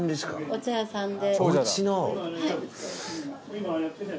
お茶屋さんで。